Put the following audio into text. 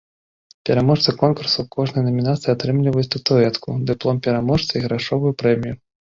Пераможцы конкурсу ў кожнай намінацыі атрымліваюць статуэтку, дыплом пераможцы і грашовую прэмію.